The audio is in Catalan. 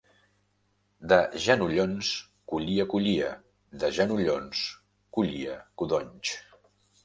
De genollons, collia, collia. De genollons, collia, codonys.